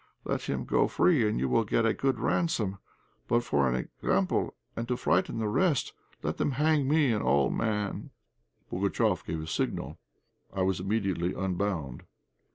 Let him go free, and you will get a good ransom; but for an example and to frighten the rest, let them hang me, an old man!" Pugatchéf gave a signal; I was immediately unbound.